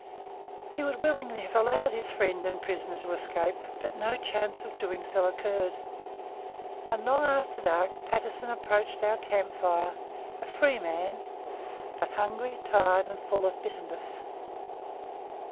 He would willingly have allowed his friend and prisoner to escape, but no chance of doing so occurred, and long after dark Patterson approached our camp fire, a free man, but hungry, tired, and full of bitterness.